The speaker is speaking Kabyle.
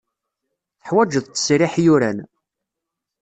Teḥwajeḍ ttesriḥ yuran.